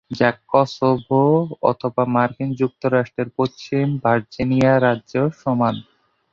যা কসোভো অথবা মার্কিন যুক্তরাষ্ট্রের পশ্চিম ভার্জিনিয়া রাজ্যর সমান।